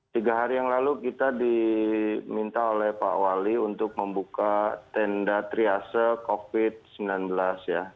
tiga hari yang lalu kita diminta oleh pak wali untuk membuka tenda triase covid sembilan belas ya